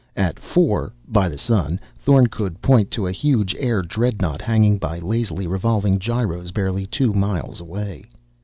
At four by the sun Thorn could point to a huge air dreadnaught hanging by lazily revolving gyros barely two miles away.